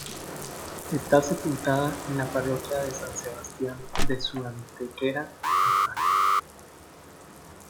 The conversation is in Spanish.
Está sepultada en la parroquia de San Sebastián de su Antequera natal.